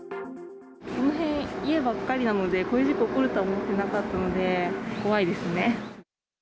この辺、家ばっかりなので、こういう事故起こるとは思ってなかったので、怖いですね。